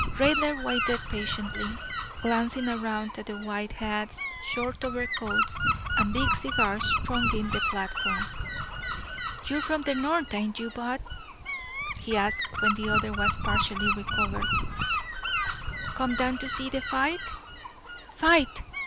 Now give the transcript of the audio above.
Raidler waited patiently, glancing around at the white hats, short overcoats, and big cigars thronging the platform. "You're from the No'th, ain't you, bud?" he asked when the other was partially recovered. "Come down to see the fight?" "Fight!"